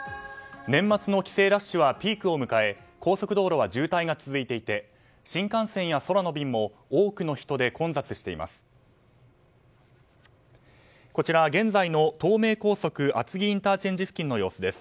年末の帰省ラッシュはピークを迎え高速道路は渋滞が続いていて新幹線や空の便も多くの人で混雑しています。